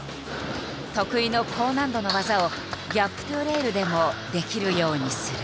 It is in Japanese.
得意の高難度の技を「ギャップｔｏレール」でもできるようにする。